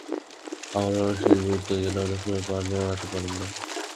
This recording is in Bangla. আমার বাবা সিঁড়ি বেয়ে উঠতে গেলে অনেক সময় পা নাড়াতে পারে না।